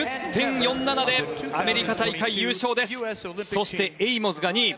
そしてエイモズが２位。